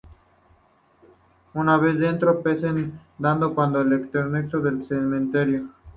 Una vez dentro, pasean dándose cuenta de lo extenso que es el cementerio.